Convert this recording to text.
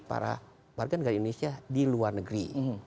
para warga negara indonesia di luar negeri